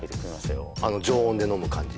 常温で飲む感じ？